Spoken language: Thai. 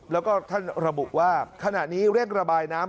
แล้วก็ท่านระบุว่าขณะนี้เร่งระบายน้ำ